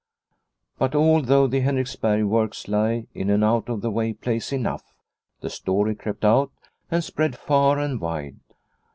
But although the Henriksberg works lie in an out of the way place enough, the story crept out and spread far and wide.